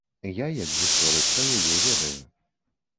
Я як гісторык пра яе ведаю.